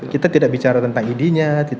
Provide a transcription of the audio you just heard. kita tidak bicara tentang idinya